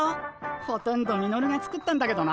ほとんどミノルが作ったんだけどな。